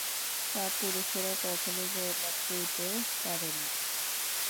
কাপুরুষেরা কখনও জয়লাভ করিতে পারে না।